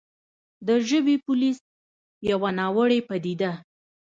د «ژبې پولیس» يوه ناوړې پديده